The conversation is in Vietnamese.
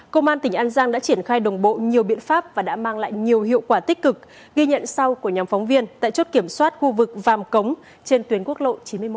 công an tỉnh an giang đã triển khai đồng bộ nhiều biện pháp và đã mang lại nhiều hiệu quả tích cực ghi nhận sau của nhóm phóng viên tại chốt kiểm soát khu vực vàm cống trên tuyến quốc lộ chín mươi một